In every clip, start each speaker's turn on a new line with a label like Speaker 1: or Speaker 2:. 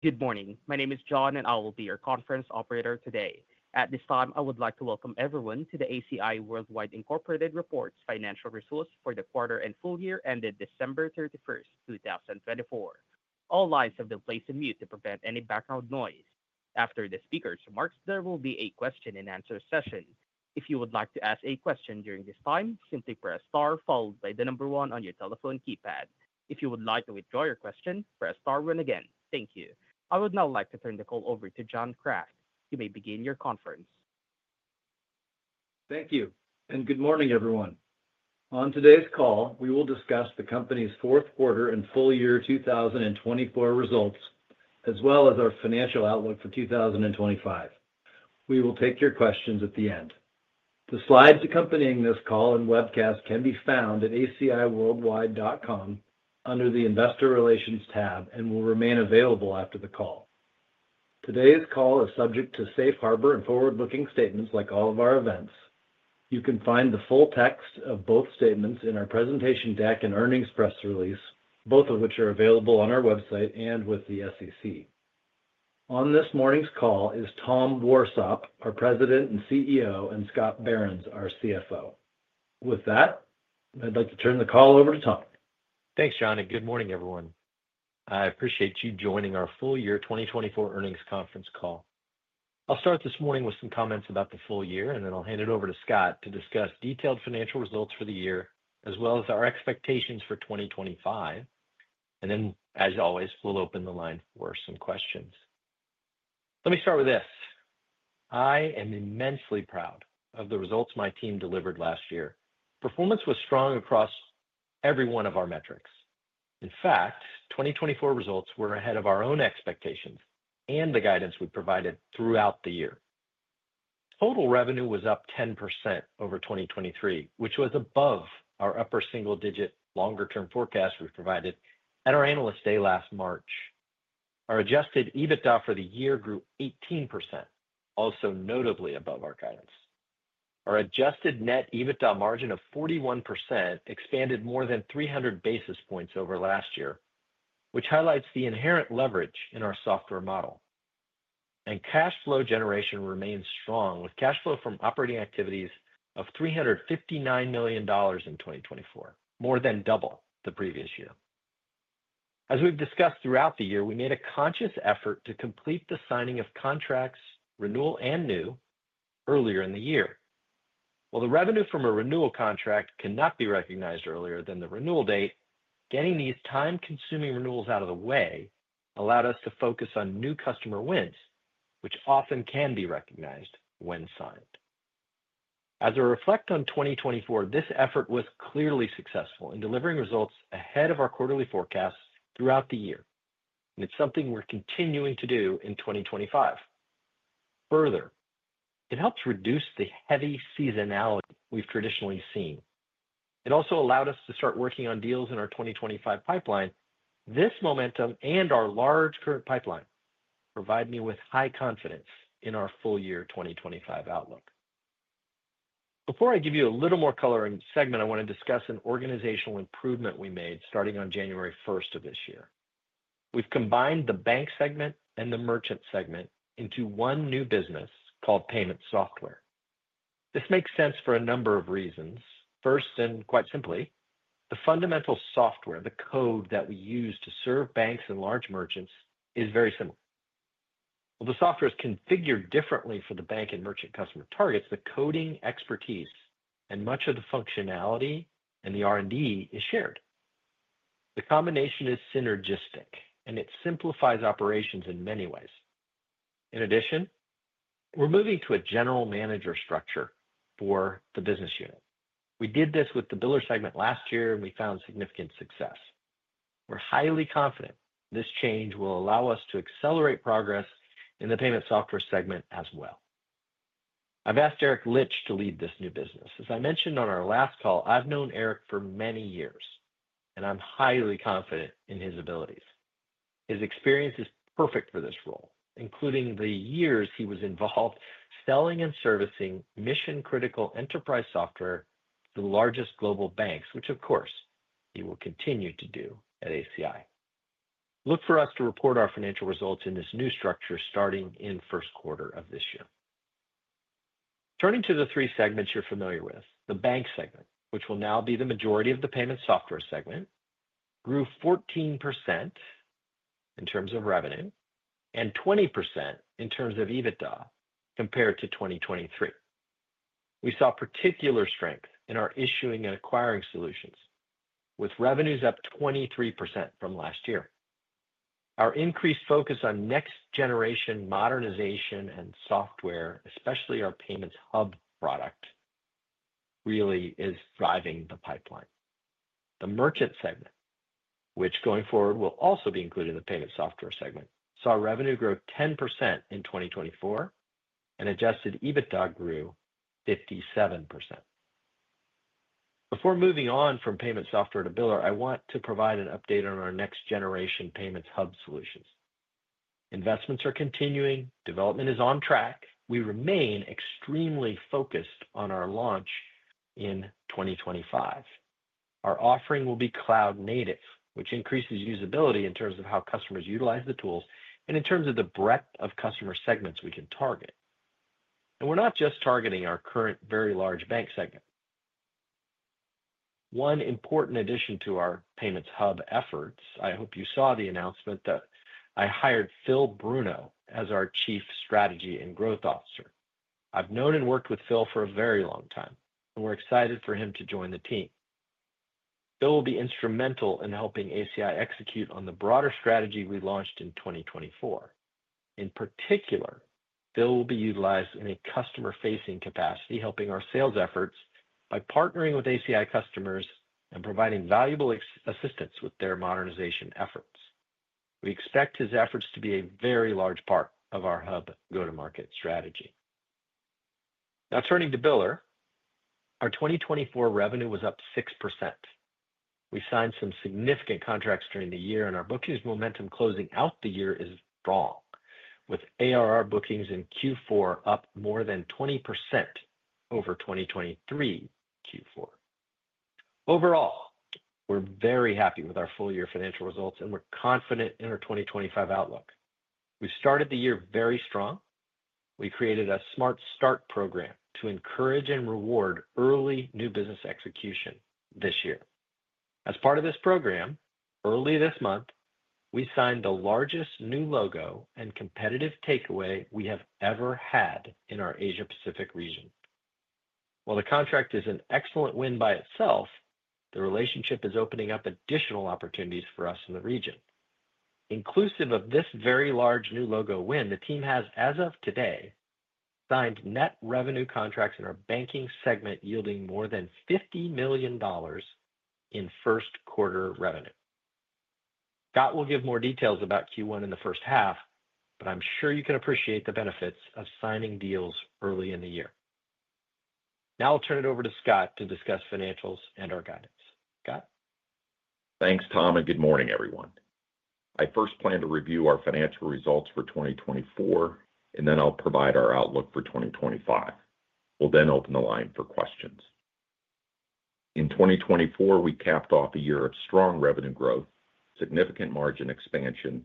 Speaker 1: Good morning. My name is John, and I will be your conference operator today. At this time, I would like to welcome everyone to the ACI Worldwide, Inc.'s financial results for the quarter and full year ended December 31, 2024. All lines have been placed on mute to prevent any background noise. After the speaker's remarks, there will be a question-and-answer session. If you would like to ask a question during this time, simply press star followed by the number one on your telephone keypad. If you would like to withdraw your question, press star two again. Thank you. I would now like to turn the call over to John Kraft. You may begin your conference.
Speaker 2: Thank you, and good morning, everyone. On today's call, we will discuss the company's fourth quarter and full year 2024 results, as well as our financial outlook for 2025. We will take your questions at the end. The slides accompanying this call and webcast can be found at aciworldwide.com under the Investor Relations tab and will remain available after the call. Today's call is subject to safe harbor and forward-looking statements like all of our events. You can find the full text of both statements in our presentation deck and earnings press release, both of which are available on our website and with the SEC. On this morning's call is Tom Warsop, our President and CEO, and Scott Behrens, our CFO. With that, I'd like to turn the call over to Tom.
Speaker 3: Thanks, John, and good morning, everyone. I appreciate you joining our full year 2024 earnings conference call. I'll start this morning with some comments about the full year, and then I'll hand it over to Scott to discuss detailed financial results for the year, as well as our expectations for 2025. And then, as always, we'll open the line for some questions. Let me start with this. I am immensely proud of the results my team delivered last year. Performance was strong across every one of our metrics. In fact, 2024 results were ahead of our own expectations and the guidance we provided throughout the year. Total revenue was up 10% over 2023, which was above our upper single-digit longer-term forecast we provided at our analyst day last March. Our Adjusted EBITDA for the year grew 18%, also notably above our guidance. Our adjusted net EBITDA margin of 41% expanded more than 300 basis points over last year, which highlights the inherent leverage in our software model, and cash flow generation remains strong, with cash flow from operating activities of $359 million in 2024, more than double the previous year. As we've discussed throughout the year, we made a conscious effort to complete the signing of contracts, renewal, and new, earlier in the year. While the revenue from a renewal contract cannot be recognized earlier than the renewal date, getting these time-consuming renewals out of the way allowed us to focus on new customer wins, which often can be recognized when signed. As I reflect on 2024, this effort was clearly successful in delivering results ahead of our quarterly forecasts throughout the year, and it's something we're continuing to do in 2025. Further, it helps reduce the heavy seasonality we've traditionally seen. It also allowed us to start working on deals in our 2025 pipeline. This momentum and our large current pipeline provide me with high confidence in our full year 2025 outlook. Before I give you a little more color in the segment, I want to discuss an organizational improvement we made starting on January 1 of this year. We've combined the Bank segment and the Merchant segment into one new business called Payment Software. This makes sense for a number of reasons. First, and quite simply, the fundamental software, the code that we use to serve banks and large merchants, is very similar. While the software is configured differently for the bank and merchant customer targets, the coding expertise and much of the functionality and the R&D is shared. The combination is synergistic, and it simplifies operations in many ways. In addition, we're moving to a general manager structure for the business unit. We did this with the Biller segment last year, and we found significant success. We're highly confident this change will allow us to accelerate progress in the Payment Software segment as well. I've asked Eric Litch to lead this new business. As I mentioned on our last call, I've known Eric for many years, and I'm highly confident in his abilities. His experience is perfect for this role, including the years he was involved selling and servicing mission-critical enterprise software to the largest global banks, which, of course, he will continue to do at ACI. Look for us to report our financial results in this new structure starting in the first quarter of this year. Turning to the three segments you're familiar with, the Bank Segment, which will now be the majority of the Payment Software segment, grew 14% in terms of revenue and 20% in terms of EBITDA compared to 2023. We saw particular strength in our issuing and acquiring solutions, with revenues up 23% from last year. Our increased focus on next-generation modernization and software, especially our Payments Hub product, really is driving the pipeline. The Merchant segment, which going forward will also be included in thePayment Software segment, saw revenue grow 10% in 2024, and adjusted EBITDA grew 57%. Before moving on from Payment Software to biller, I want to provide an update on our next-generation Payments Hub solutions. Investments are continuing. Development is on track. We remain extremely focused on our launch in 2025. Our offering will be cloud-native, which increases usability in terms of how customers utilize the tools and in terms of the breadth of customer segments we can target. And we're not just targeting our current very large Bank Segment. One important addition to our Payments Hub efforts, I hope you saw the announcement, that I hired Phil Bruno as our Chief Strategy and Growth Officer. I've known and worked with Phil for a very long time, and we're excited for him to join the team. Phil will be instrumental in helping ACI execute on the broader strategy we launched in 2024. In particular, Phil will be utilized in a customer-facing capacity, helping our sales efforts by partnering with ACI customers and providing valuable assistance with their modernization efforts. We expect his efforts to be a very large part of our hub go-to-market strategy. Now, turning to Biller, our 2024 revenue was up 6%. We signed some significant contracts during the year, and our bookings momentum closing out the year is strong, with ARR bookings in Q4 up more than 20% over 2023 Q4. Overall, we're very happy with our full year financial results, and we're confident in our 2025 outlook. We started the year very strong. We created a Smart Start program to encourage and reward early new business execution this year. As part of this program, early this month, we signed the largest new logo and competitive takeaway we have ever had in our Asia-Pacific region. While the contract is an excellent win by itself, the relationship is opening up additional opportunities for us in the region. Inclusive of this very large new logo win, the team has, as of today, signed net revenue contracts in our banking segment, yielding more than $50 million in first-quarter revenue. Scott will give more details about Q1 in the first half, but I'm sure you can appreciate the benefits of signing deals early in the year. Now I'll turn it over to Scott to discuss financials and our guidance. Scott?
Speaker 4: Thanks, Tom, and good morning, everyone. I first plan to review our financial results for 2024, and then I'll provide our outlook for 2025. We'll then open the line for questions. In 2024, we capped off a year of strong revenue growth, significant margin expansion,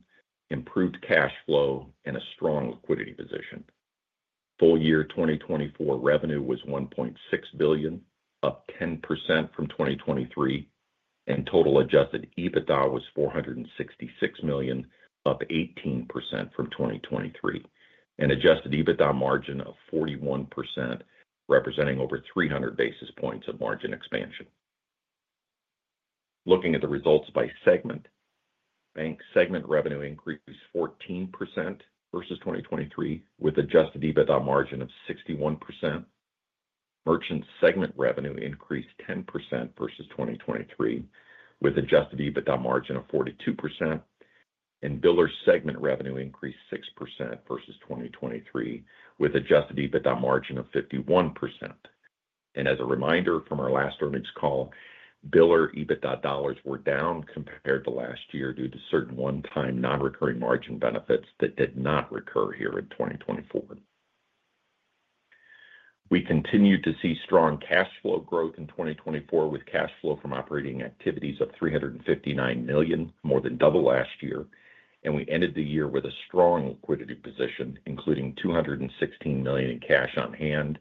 Speaker 4: improved cash flow, and a strong liquidity position. Full year 2024 revenue was $1.6 billion, up 10% from 2023, and total adjusted EBITDA was $466 million, up 18% from 2023, and adjusted EBITDA margin of 41%, representing over 300 basis points of margin expansion. Looking at the results by segment, Bank Segment revenue increased 14% versus 2023, with adjusted EBITDA margin of 61%. Merchant segment revenue increased 10% versus 2023, with adjusted EBITDA margin of 42%. Biller segment revenue increased 6% versus 2023, with adjusted EBITDA margin of 51%. As a reminder from our last earnings call, Biller EBITDA dollars were down compared to last year due to certain one-time non-recurring margin benefits that did not recur here in 2024. We continued to see strong cash flow growth in 2024, with cash flow from operating activities of $359 million, more than double last year, and we ended the year with a strong liquidity position, including $216 million in cash on hand.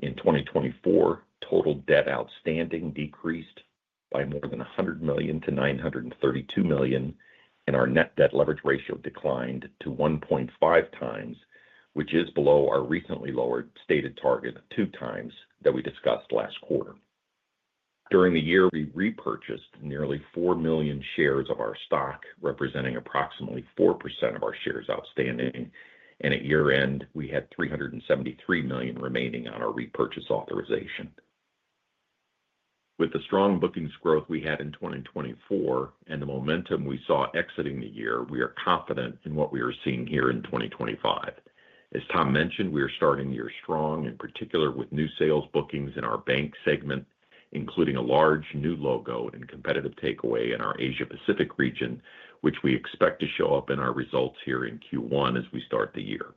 Speaker 4: In 2024, total debt outstanding decreased by more than $100 million to $932 million, and our net debt leverage ratio declined to 1.5 times, which is below our recently lowered stated target of 2 times that we discussed last quarter. During the year, we repurchased nearly 4 million shares of our stock, representing approximately 4% of our shares outstanding, and at year-end, we had $373 million remaining on our repurchase authorization. With the strong bookings growth we had in 2024 and the momentum we saw exiting the year, we are confident in what we are seeing here in 2025. As Tom mentioned, we are starting the year strong, in particular with new sales bookings in our Bank Segment, including a large new logo and competitive takeaway in our Asia-Pacific region, which we expect to show up in our results here in Q1 as we start the year.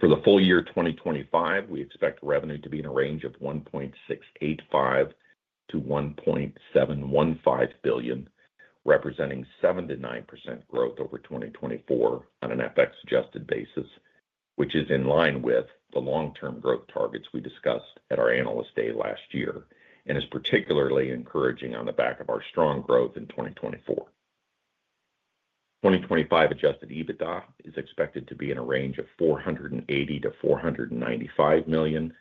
Speaker 4: For the full year 2025, we expect revenue to be in a range of $1.685-$1.715 billion, representing 7%-9% growth over 2024 on an FX-adjusted basis, which is in line with the long-term growth targets we discussed at our analyst day last year and is particularly encouraging on the back of our strong growth in 2024. 2025 adjusted EBITDA is expected to be in a range of $480-$495 million,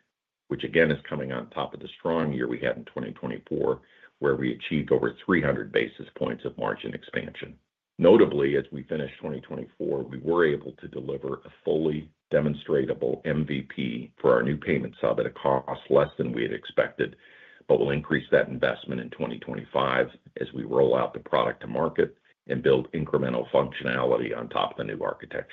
Speaker 4: which again is coming on top of the strong year we had in 2024, where we achieved over 300 basis points of margin expansion. Notably, as we finished 2024, we were able to deliver a fully demonstrable MVP for our new Payments Hub at a cost less than we had expected, but we'll increase that investment in 2025 as we roll out the product to market and build incremental functionality on top of the new architecture.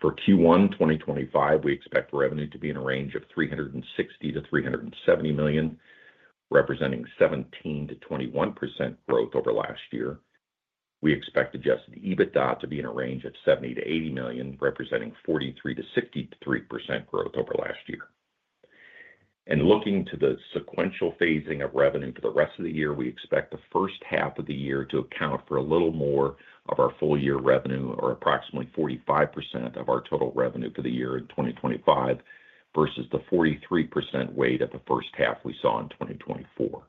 Speaker 4: For Q1 2025, we expect revenue to be in a range of $360-$370 million, representing 17%-21% growth over last year. We expect adjusted EBITDA to be in a range of $70-$80 million, representing 43%-63% growth over last year. Looking to the sequential phasing of revenue for the rest of the year, we expect the first half of the year to account for a little more of our full year revenue, or approximately 45% of our total revenue for the year in 2025, versus the 43% weight of the first half we saw in 2024.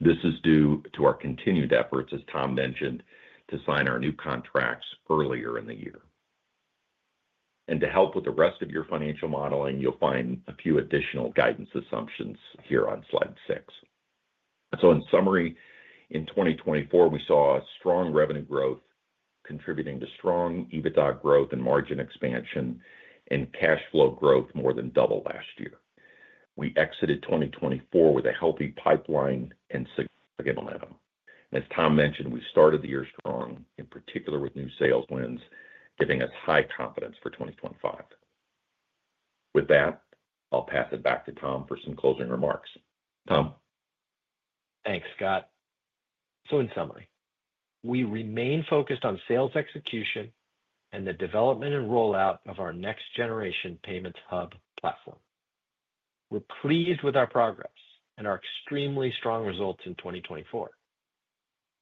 Speaker 4: This is due to our continued efforts, as Tom mentioned, to sign our new contracts earlier in the year. To help with the rest of your financial modeling, you'll find a few additional guidance assumptions here on slide six. In summary, in 2024, we saw strong revenue growth contributing to strong EBITDA growth and margin expansion and cash flow growth more than double last year. We exited 2024 with a healthy pipeline and significant momentum. As Tom mentioned, we started the year strong, in particular with new sales wins, giving us high confidence for 2025. With that, I'll pass it back to Tom for some closing remarks. Tom?
Speaker 3: Thanks, Scott. So in summary, we remain focused on sales execution and the development and rollout of our next-generation Payments Hub platform. We're pleased with our progress and our extremely strong results in 2024.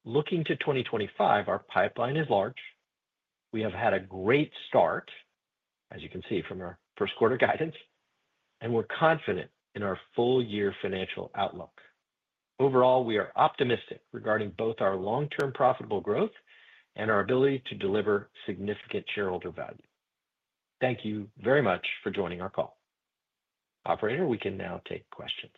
Speaker 3: Looking to 2025, our pipeline is large. We have had a great start, as you can see from our first-quarter guidance, and we're confident in our full year financial outlook. Overall, we are optimistic regarding both our long-term profitable growth and our ability to deliver significant shareholder value. Thank you very much for joining our call. Operator, we can now take questions.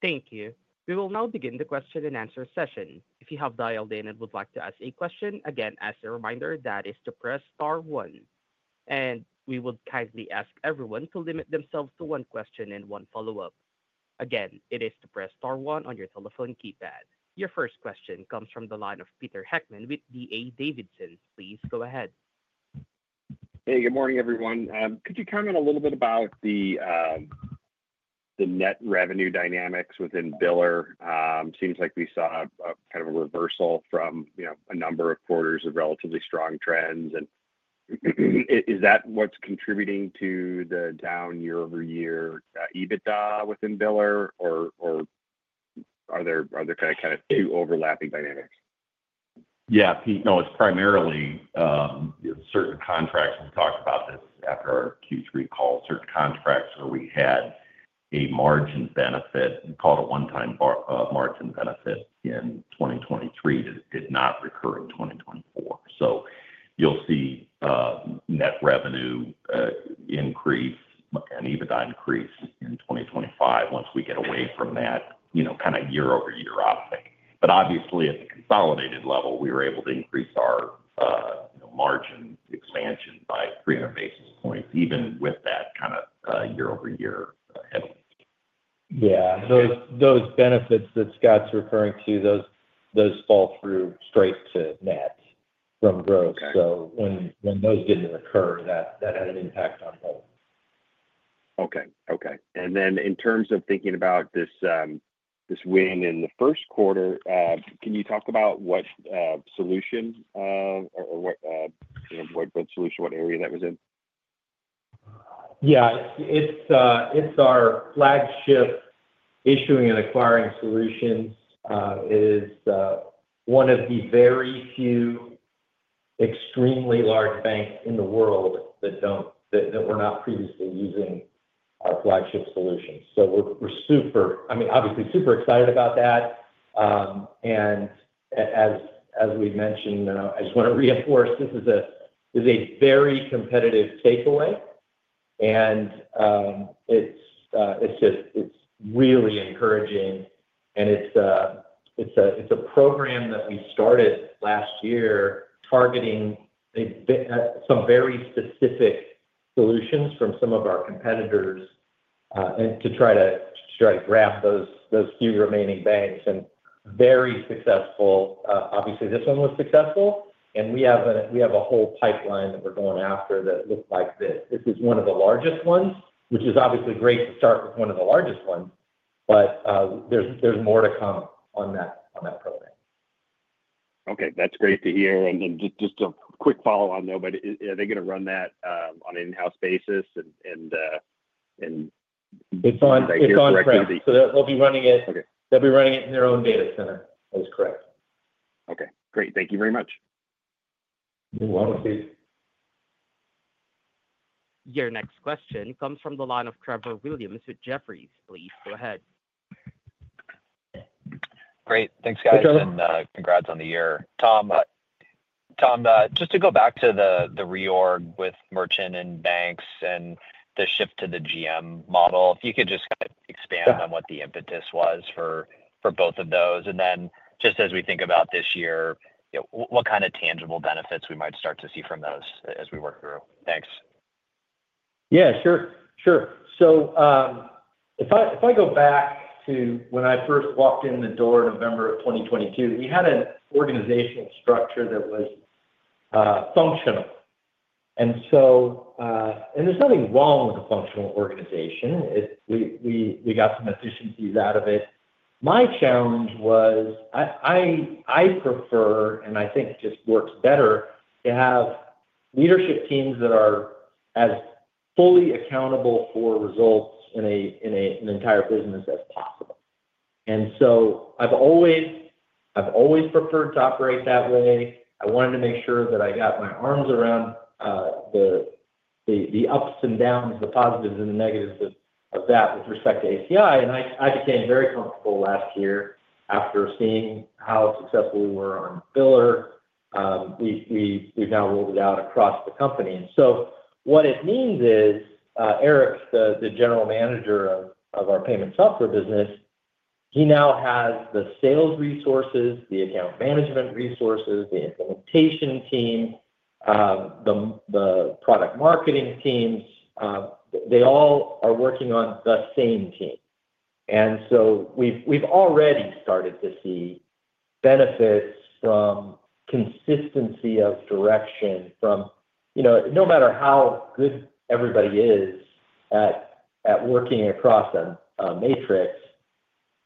Speaker 1: Thank you. We will now begin the question and answer session. If you have dialed in and would like to ask a question, again, as a reminder, that is to press star one, and we would kindly ask everyone to limit themselves to one question and one follow-up. Again, it is to press star one on your telephone keypad. Your first question comes from the line of Peter Heckman with D.A. Davidson. Please go ahead.
Speaker 5: Hey, good morning, everyone. Could you comment a little bit about the net revenue dynamics within Biller? Seems like we saw kind of a reversal from a number of quarters of relatively strong trends. And is that what's contributing to the down year-over-year EBITDA within Biller, or are there kind of two overlapping dynamics?
Speaker 4: Yeah, Pete. No, it's primarily certain contracts. We talked about this after our Q3 call, certain contracts where we had a margin benefit, we called it a one-time margin benefit in 2023, that did not recur in 2024. So you'll see net revenue increase and EBITDA increase in 2025 once we get away from that kind of year-over-year optic. But obviously, at the consolidated level, we were able to increase our margin expansion by 300 basis points, even with that kind of year-over-year headline.
Speaker 3: Yeah. Those benefits that Scott's referring to, those fall through straight to net from growth. So when those didn't recur, that had an impact on both.
Speaker 5: Okay. Okay. And then in terms of thinking about this win in the first quarter, can you talk about what solution, what area that was in?
Speaker 3: Yeah. It's our flagship issuing and acquiring solutions. It is one of the very few extremely large banks in the world that we're not previously using our flagship solutions. So we're super, I mean, obviously super excited about that. And as we mentioned, I just want to reinforce this is a very competitive takeaway, and it's really encouraging. And it's a program that we started last year targeting some very specific solutions from some of our competitors to try to grab those few remaining banks. And very successful. Obviously, this one was successful, and we have a whole pipeline that we're going after that looks like this. This is one of the largest ones, which is obviously great to start with one of the largest ones, but there's more to come on that program.
Speaker 5: Okay. That's great to hear and then just a quick follow-on there, but are they going to run that on an in-house basis? And.
Speaker 3: It's on.
Speaker 4: It's on.
Speaker 3: So they'll be running it in their own data center. That is correct.
Speaker 5: Okay. Great. Thank you very much.
Speaker 4: You're welcome, Pete.
Speaker 1: Your next question comes from the line of Trevor Williams with Jefferies. Please go ahead.
Speaker 6: Great. Thanks, guys. And congrats on the year. Tom, just to go back to the reorg with merchant and banks and the shift to the GM model, if you could just expand on what the impetus was for both of those. And then just as we think about this year, what kind of tangible benefits we might start to see from those as we work through? Thanks.
Speaker 3: Yeah, sure. Sure. So if I go back to when I first walked in the door in November of 2022, we had an organizational structure that was functional. And there's nothing wrong with a functional organization. We got some efficiencies out of it. My challenge was I prefer, and I think just works better, to have leadership teams that are as fully accountable for results in an entire business as possible. And so I've always preferred to operate that way. I wanted to make sure that I got my arms around the ups and downs, the positives and the negatives of that with respect to ACI. And I became very comfortable last year after seeing how successful we were on Biller. We've now rolled it out across the company. And so what it means is, Eric, the general manager of our Payment Software business, he now has the sales resources, the account management resources, the implementation team, the product marketing teams. They all are working on the same team. And so we've already started to see benefits from consistency of direction. No matter how good everybody is at working across a matrix,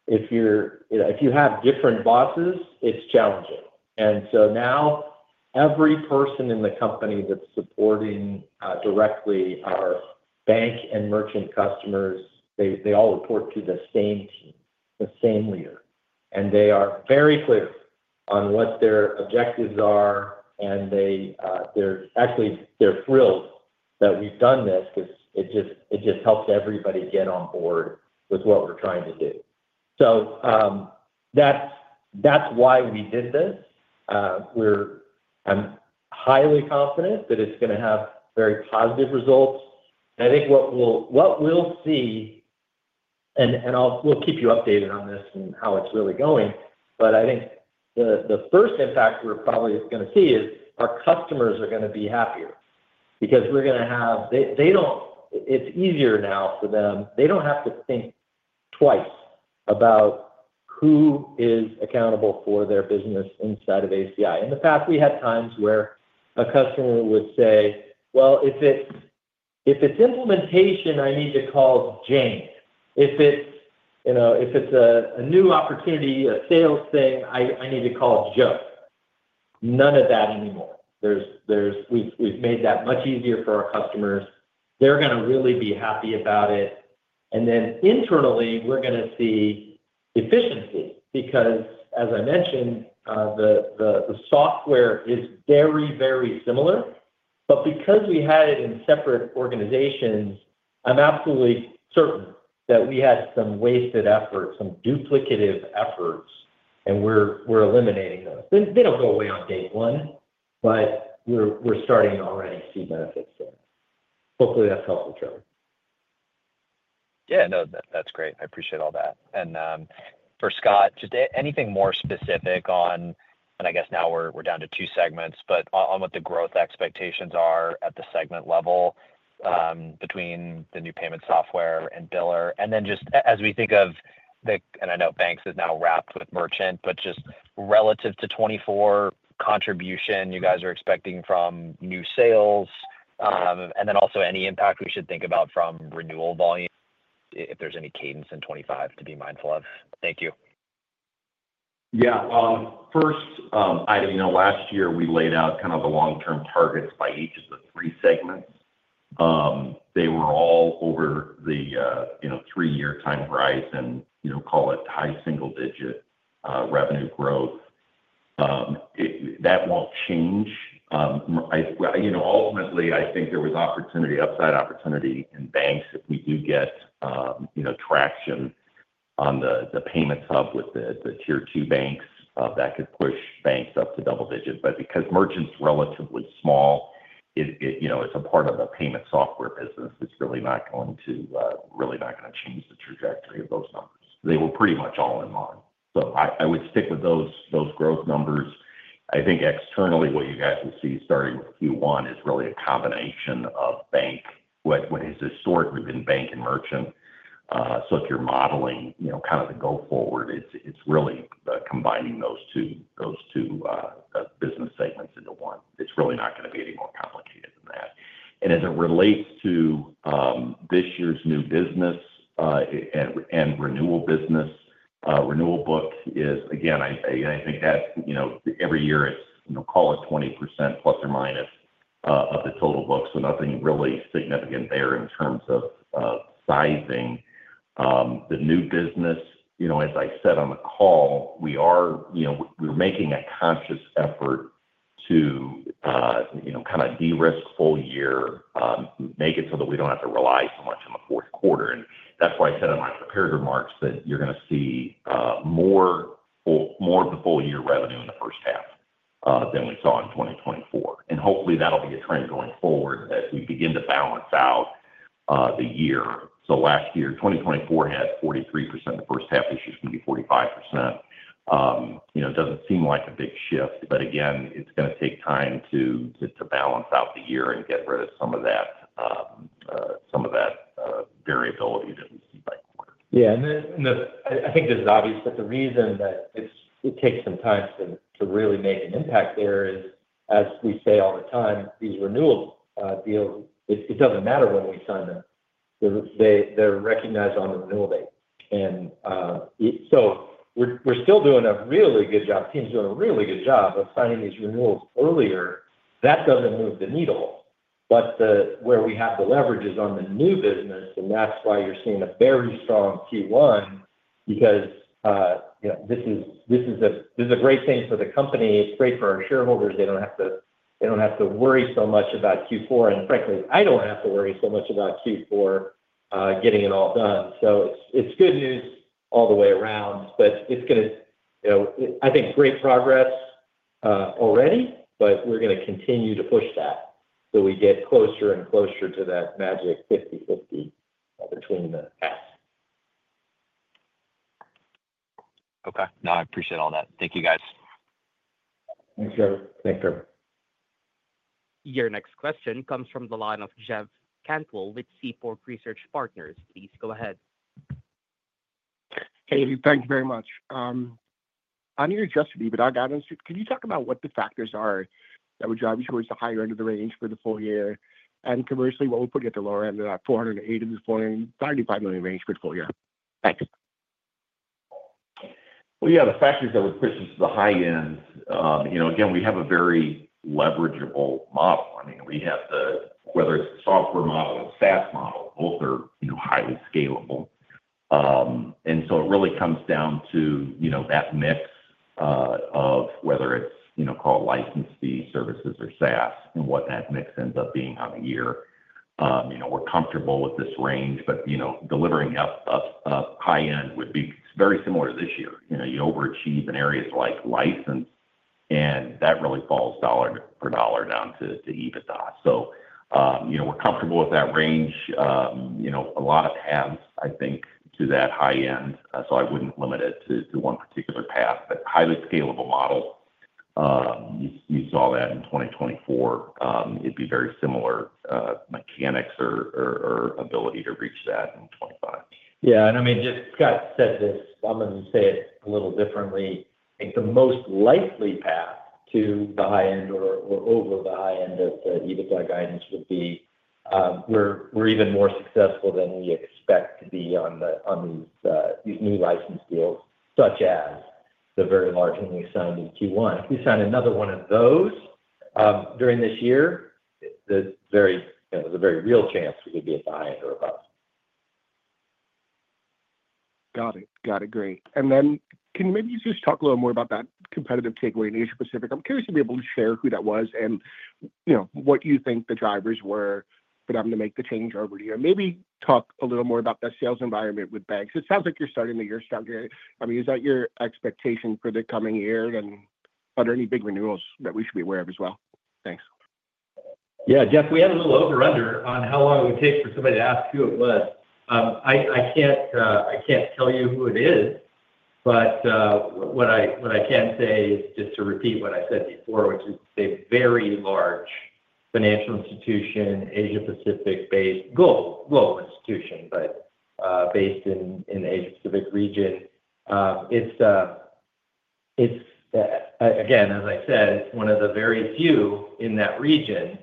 Speaker 3: if you have different bosses, it's challenging. And so now every person in the company that's supporting directly our bank and merchant customers, they all report to the same team, the same leader. And they are very clear on what their objectives are. And actually, they're thrilled that we've done this because it just helps everybody get on board with what we're trying to do. So that's why we did this. I'm highly confident that it's going to have very positive results. And I think what we'll see, and we'll keep you updated on this and how it's really going, but I think the first impact we're probably going to see is our customers are going to be happier because we're going to have it's easier now for them. They don't have to think twice about who is accountable for their business inside of ACI. In the past, we had times where a customer would say, "Well, if it's implementation, I need to call Jane. If it's a new opportunity, a sales thing, I need to call Joe." None of that anymore. We've made that much easier for our customers. They're going to really be happy about it. And then internally, we're going to see efficiency because, as I mentioned, the software is very, very similar. But because we had it in separate organizations, I'm absolutely certain that we had some wasted effort, some duplicative efforts, and we're eliminating those. They don't go away on day one, but we're starting to already see benefits there. Hopefully, that's helpful, Trevor.
Speaker 6: Yeah. No, that's great. I appreciate all that. And for Scott, just anything more specific on, and I guess now we're down to two segments, but on what the growth expectations are at the segment level between the new Payment Software and Biller. And then just as we think of the, and I know banks is now wrapped with merchant, but just relative to 2024 contribution, you guys are expecting from new sales. And then also any impact we should think about from renewal volume, if there's any cadence in 2025 to be mindful of. Thank you.
Speaker 4: Yeah. First item, last year, we laid out kind of the long-term targets by each of the three segments. They were all over the three-year time horizon and call it high single-digit revenue growth. That won't change. Ultimately, I think there was upside opportunity in banks. If we do get traction on the Payments Hub with the tier two banks, that could push banks up to double digit. But because merchant's relatively small, it's a part of the Payment Software business, it's really not going to change the trajectory of those numbers. They were pretty much all in line. So I would stick with those growth numbers. I think externally, what you guys will see starting with Q1 is really a combination of what has historically been bank and merchant. So if you're modeling kind of the go-forward, it's really combining those two business segments into one. It's really not going to be any more complicated than that. And as it relates to this year's new business and renewal business, renewal book is, again, I think that every year it's call it 20% plus or minus of the total book. So nothing really significant there in terms of sizing. The new business, as I said on the call, we're making a conscious effort to kind of de-risk full year, make it so that we don't have to rely so much on the fourth quarter. And that's why I said in my prepared remarks that you're going to see more of the full-year revenue in the first half than we saw in 2024. And hopefully, that'll be a trend going forward as we begin to balance out the year. Last year, 2024 had 43% of the first half issues can be 45%. It doesn't seem like a big shift, but again, it's going to take time to balance out the year and get rid of some of that variability that we see by quarter.
Speaker 3: Yeah. And I think this is obvious, but the reason that it takes some time to really make an impact there is, as we say all the time, these renewal deals, it doesn't matter when we sign them. They're recognized on the renewal date. And so we're still doing a really good job. Teams are doing a really good job of signing these renewals earlier. That doesn't move the needle. But where we have the leverage is on the new business, and that's why you're seeing a very strong Q1 because this is a great thing for the company. It's great for our shareholders. They don't have to worry so much about Q4. And frankly, I don't have to worry so much about Q4 getting it all done. So it's good news all the way around, but it's going to, I think, great progress already, but we're going to continue to push that so we get closer and closer to that magic 50/50 between the paths.
Speaker 6: Okay. No, I appreciate all that. Thank you, guys.
Speaker 3: Thanks, Trevor. Thanks, Trevor.
Speaker 1: Your next question comes from the line of Jeff Cantwell with Seaport Research Partners. Please go ahead.
Speaker 7: Hey, thank you very much. I'm here just to be a bit about our guidance. Can you talk about what the factors are that would drive you towards the higher end of the range for the full year? And commercially, what would put you at the lower end of that $408 million-$495 million range for the full year? Thanks.
Speaker 4: Yeah, the factors that would push us to the high end. Again, we have a very leverageable model. I mean, we have the, whether it's the software model or the SaaS model, both are highly scalable. And so it really comes down to that mix of whether it's called license fee services or SaaS and what that mix ends up being on a year. We're comfortable with this range, but delivering up a high end would be very similar to this year. You overachieve in areas like license, and that really falls dollar for dollar down to EBITDA. So we're comfortable with that range. A lot of paths, I think, to that high end. So I wouldn't limit it to one particular path, but highly scalable model. You saw that in 2024. It'd be very similar mechanics or ability to reach that in 2025.
Speaker 3: Yeah. And I mean, just Scott said this. I'm going to say it a little differently. I think the most likely path to the high end or over the high end of the EBITDA guidance would be we're even more successful than we expect to be on these new license deals, such as the very large one we signed in Q1. If we sign another one of those during this year, there's a very real chance we could be at the high end or above.
Speaker 7: Got it. Got it. Great. And then can you maybe just talk a little more about that competitive takeaway in Asia-Pacific? I'm curious to be able to share who that was and what you think the drivers were. But I'm going to make the change over to you. And maybe talk a little more about the sales environment with banks. It sounds like you're starting the year stronger. I mean, is that your expectation for the coming year? And are there any big renewals that we should be aware of as well? Thanks.
Speaker 3: Yeah. Jeff, we had a little over-under on how long it would take for somebody to ask who it was. I can't tell you who it is, but what I can say is just to repeat what I said before, which is a very large financial institution, Asia-Pacific-based global institution, but based in the Asia-Pacific region. Again, as I said, it's one of the very few in that region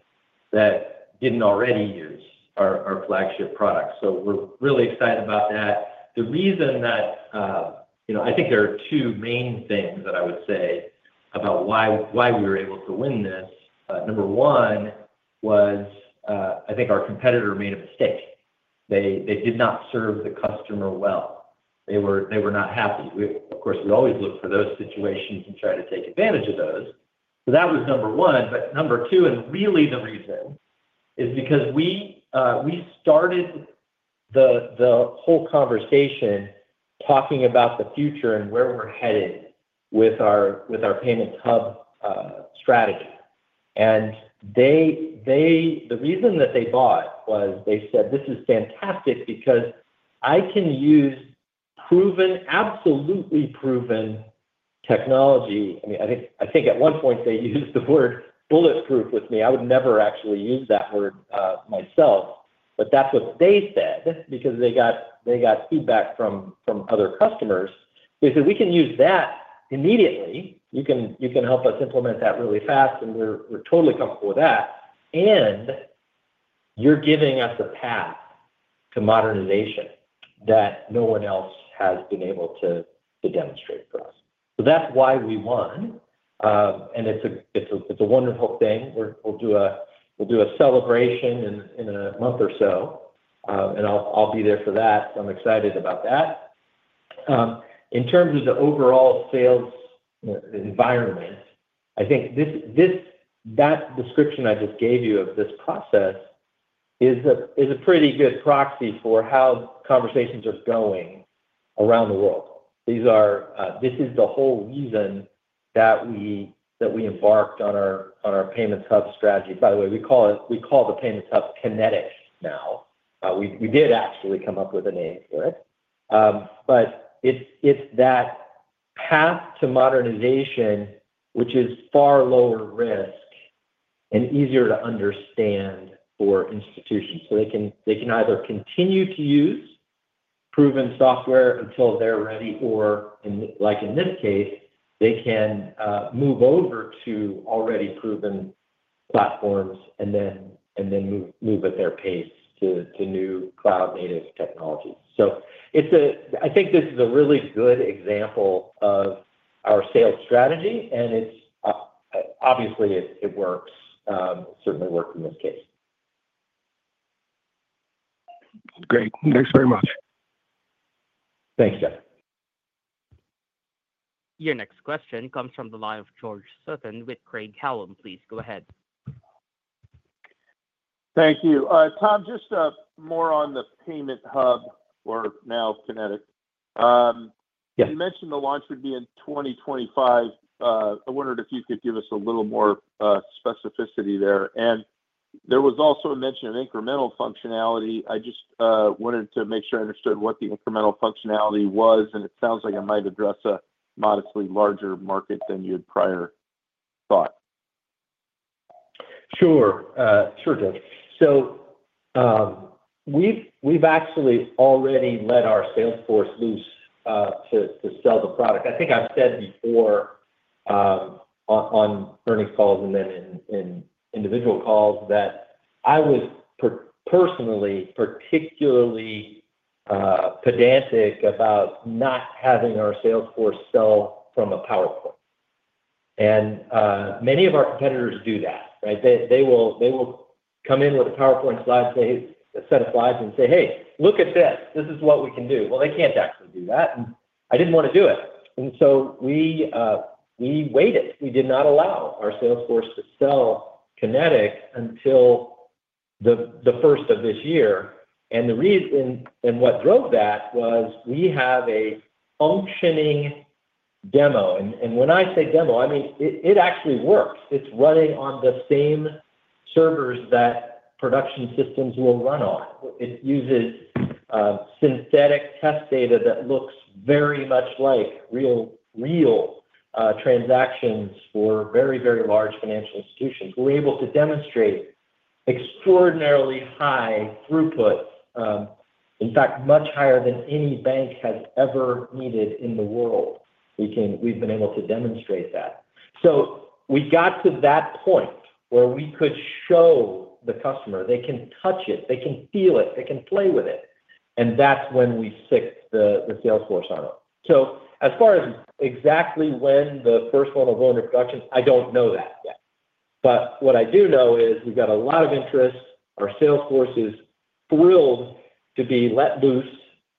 Speaker 3: that didn't already use our flagship products. So we're really excited about that. The reason that I think there are two main things that I would say about why we were able to win this. Number one was I think our competitor made a mistake. They did not serve the customer well. They were not happy. Of course, we always look for those situations and try to take advantage of those. So that was number one. But number two, and really the reason is because we started the whole conversation talking about the future and where we're headed with our Payments Hub strategy. And the reason that they bought was they said, "This is fantastic because I can use proven, absolutely proven technology." I mean, I think at one point they used the word bulletproof with me. I would never actually use that word myself, but that's what they said because they got feedback from other customers. They said, "We can use that immediately. You can help us implement that really fast, and we're totally comfortable with that. And you're giving us a path to modernization that no one else has been able to demonstrate for us." So that's why we won. And it's a wonderful thing. We'll do a celebration in a month or so, and I'll be there for that. So I'm excited about that. In terms of the overall sales environment, I think that description I just gave you of this process is a pretty good proxy for how conversations are going around the world. This is the whole reason that we embarked on our Payments Hub strategy. By the way, we call the Payments Hub Kinetics now. We did actually come up with a name for it. But it's that path to modernization, which is far lower risk and easier to understand for institutions. So they can either continue to use proven software until they're ready, or like in this case, they can move over to already proven platforms and then move at their pace to new cloud-native technologies. So I think this is a really good example of our sales strategy, and obviously, it works. It certainly worked in this case.
Speaker 7: Great. Thanks very much.
Speaker 3: Thanks, Jeff.
Speaker 1: Your next question comes from the line of George Sutton with Craig-Hallum. Please go ahead.
Speaker 8: Thank you. Tom, just more on the payment hub or now Kinetics. You mentioned the launch would be in 2025. I wondered if you could give us a little more specificity there. And there was also a mention of incremental functionality. I just wanted to make sure I understood what the incremental functionality was, and it sounds like it might address a modestly larger market than you had prior thought.
Speaker 3: Sure. Sure, Jeff. So we've actually already let our sales force loose to sell the product. I think I've said before on earnings calls and then in individual calls that I was personally particularly pedantic about not having our sales force sell from a PowerPoint. And many of our competitors do that, right? They will come in with a PowerPoint slide, a set of slides, and say, "Hey, look at this. This is what we can do." Well, they can't actually do that, and I didn't want to do it. And so we waited. We did not allow our sales force to sell Kinetics until the 1st of this year. And the reason and what drove that was we have a functioning demo. And when I say demo, I mean it actually works. It's running on the same servers that production systems will run on. It uses synthetic test data that looks very much like real transactions for very, very large financial institutions. We're able to demonstrate extraordinarily high throughput, in fact, much higher than any bank has ever needed in the world. We've been able to demonstrate that. So we got to that point where we could show the customer. They can touch it. They can feel it. They can play with it. And that's when we sicked the sales force on it. So as far as exactly when the first one will go into production, I don't know that yet. But what I do know is we've got a lot of interest. Our sales force is thrilled to be let loose.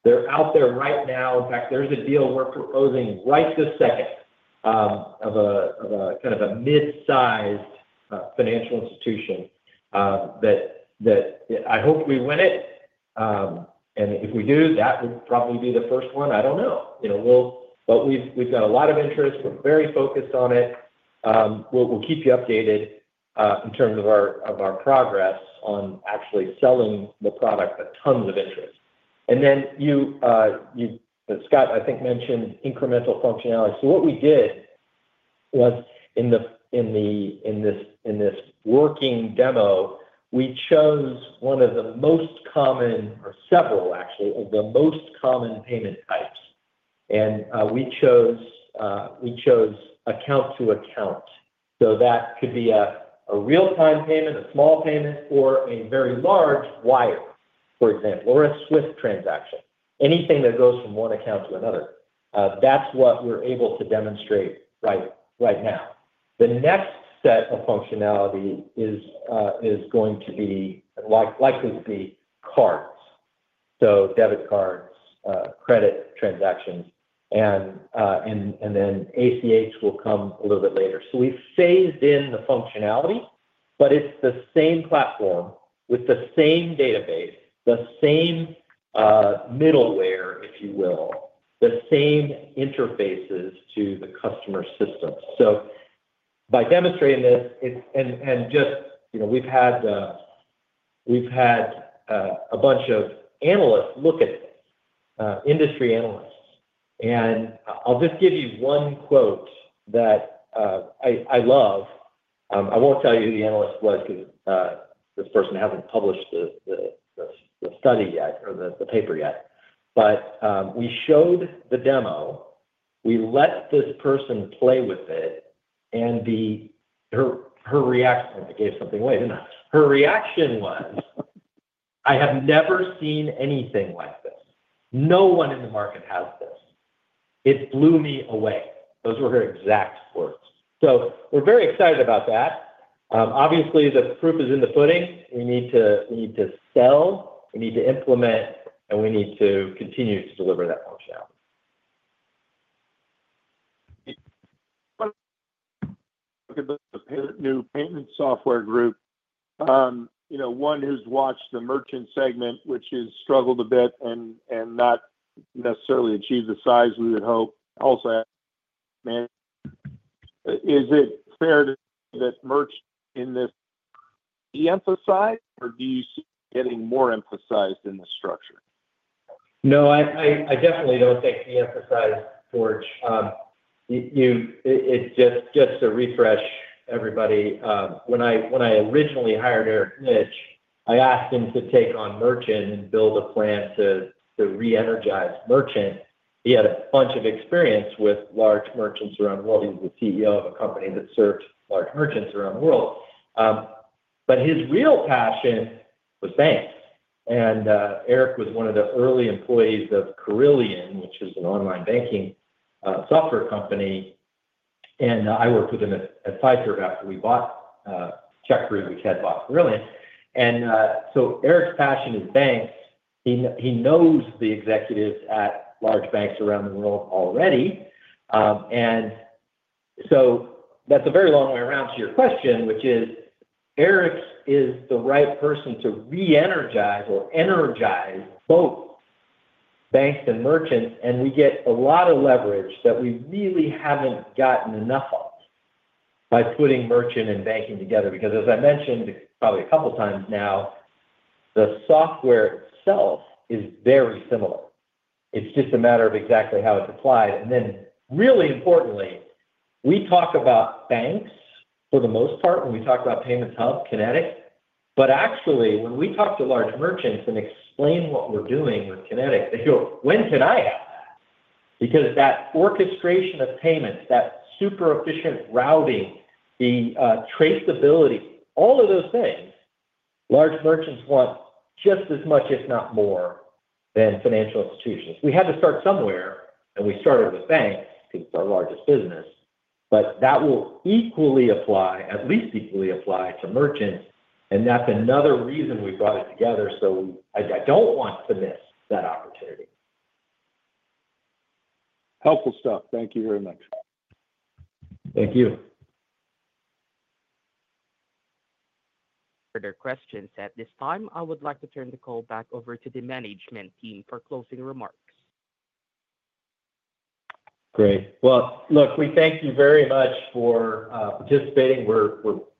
Speaker 3: They're out there right now. In fact, there's a deal we're proposing right this second of a kind of a mid-sized financial institution that I hope we win it. And if we do, that would probably be the first one. I don't know. But we've got a lot of interest. We're very focused on it. We'll keep you updated in terms of our progress on actually selling the product, but tons of interest. And then you, Scott, I think mentioned incremental functionality. So what we did was in this working demo, we chose one of the most common, or several actually, of the most common payment types. And we chose account to account. So that could be a real-time payment, a small payment, or a very large wire, for example, or a SWIFT transaction. Anything that goes from one account to another. That's what we're able to demonstrate right now. The next set of functionality is going to be likely to be cards. So debit cards, credit transactions, and then ACH will come a little bit later. So we phased in the functionality, but it's the same platform with the same database, the same middleware, if you will, the same interfaces to the customer system. So by demonstrating this and just we've had a bunch of analysts look at this, industry analysts. And I'll just give you one quote that I love. I won't tell you who the analyst was because this person hasn't published the study yet or the paper yet. But we showed the demo. We let this person play with it, and her reaction, I gave something away, didn't I?, her reaction was, "I have never seen anything like this. No one in the market has this. It blew me away." Those were her exact words. So we're very excited about that. Obviously, the proof is in the pudding. We need to sell, we need to implement, and we need to continue to deliver that functionality.
Speaker 8: The new Payment Software group, one who's watched the Merchant segment, which has struggled a bit and not necessarily achieved the size we would hope, also asked, "Is it fair to say that merch in this de-emphasized, or do you see it getting more emphasized in the structure?
Speaker 3: No, I definitely don't think de-emphasized, George. Just to refresh everybody, when I originally hired Eric Litch, I asked him to take on merchant and build a plan to re-energize merchant. He had a bunch of experience with large merchants around the world. He was the CEO of a company that served large merchants around the world. But his real passion was banks, and Eric was one of the early employees of Corillian, which is an online banking software company, and I worked with him at Fiserv after we bought CheckFree, which had bought Corillian, and so Eric's passion is banks. He knows the executives at large banks around the world already, and so that's a very long way around to your question, which is Eric is the right person to re-energize or energize both banks and merchants. And we get a lot of leverage that we really haven't gotten enough of by putting merchant and banking together. Because as I mentioned probably a couple of times now, the software itself is very similar. It's just a matter of exactly how it's applied. And then really importantly, we talk about banks for the most part when we talk about Payments Hub, Kinetics. But actually, when we talk to large merchants and explain what we're doing with Kinetics, they go, "When can I have that?" Because that orchestration of payments, that super efficient routing, the traceability, all of those things, large merchants want just as much, if not more, than financial institutions. We had to start somewhere, and we started with banks because it's our largest business. But that will equally apply, at least equally apply to merchants. And that's another reason we brought it together. I don't want to miss that opportunity.
Speaker 8: Helpful stuff. Thank you very much.
Speaker 3: Thank you.
Speaker 1: Further questions at this time, I would like to turn the call back over to the management team for closing remarks.
Speaker 3: Great. Well, look, we thank you very much for participating.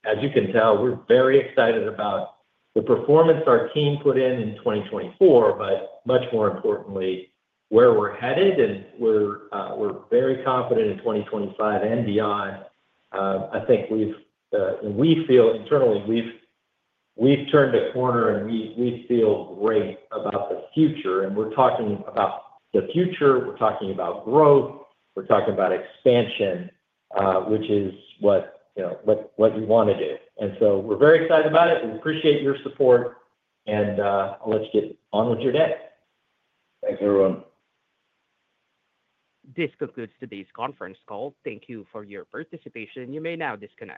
Speaker 3: As you can tell, we're very excited about the performance our team put in in 2024, but much more importantly, where we're headed, and we're very confident in 2025 NDI. I think we feel internally we've turned a corner, and we feel great about the future, and we're talking about the future. We're talking about growth. We're talking about expansion, which is what you want to do, and so we're very excited about it. We appreciate your support, and I'll let you get on with your day.
Speaker 4: Thanks, everyone.
Speaker 1: This concludes this conference call. Thank you for your participation. You may now disconnect.